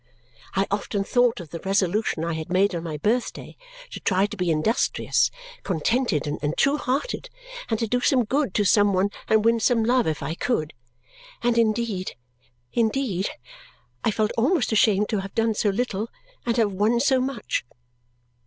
I often thought of the resolution I had made on my birthday to try to be industrious, contented, and true hearted and to do some good to some one and win some love if I could; and indeed, indeed, I felt almost ashamed to have done so little and have won so much.